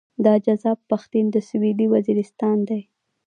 دا جذاب پښتين د سويلي وزيرستان دی.